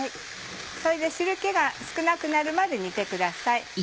それで汁気が少なくなるまで煮てください。